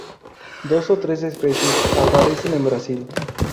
Dos o tres especies aparecen en Brasil.